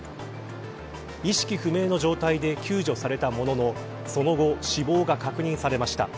意識不明の状態で救助されたもののその後、死亡が確認されました。